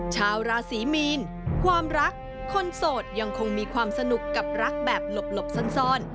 ชาวราศีมีนความรักคนโสดยังคงมีความสนุกกับรักแบบหลบซ่อน